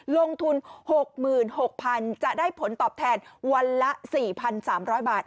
ลงทุน๖๖๐๐๐จะได้ผลตอบแทนวันละ๔๓๐๐บาท